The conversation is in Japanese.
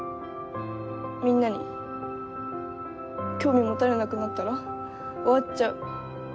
みんなに興味持たれなくなったら終わっちゃう。